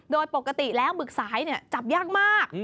โดยปกติแล้วหมึกสายจับยากมาก